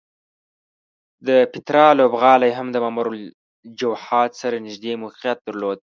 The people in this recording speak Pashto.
د پیترا لوبغالی هم د ممر الوجحات سره نږدې موقعیت درلود.